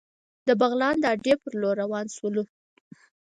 د بغلان د اډې په لور را روان شولو.